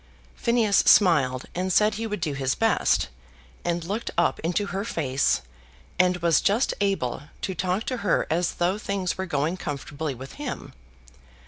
Phineas smiled, and said he would do his best, and looked up into her face, and was just able to talk to her as though things were going comfortably with him.